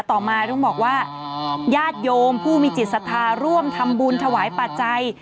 ต่อมาต้องบอกว่าญาติโยมผู้มีจิตศรัทธาร่วมทำบุญถวายปัจจัย